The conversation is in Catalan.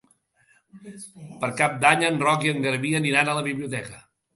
Per Cap d'Any en Roc i en Garbí aniran a la biblioteca.